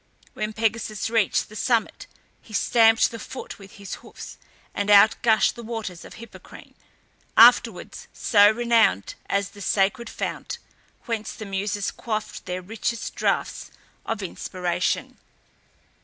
When Pegasus reached the summit, he stamped the ground with his hoofs, and out gushed the waters of Hippocrene, afterwards so renowned as the sacred fount, whence the Muses quaffed their richest draughts of inspiration.